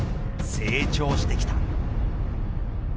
成長してきた。